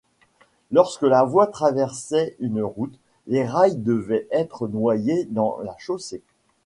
Lorsque la voie traversait une route, les rails devaient être noyés dans la chaussée.